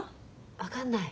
分かんない。